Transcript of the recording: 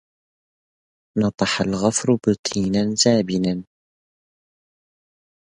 نطح الغفر بطينا زابنا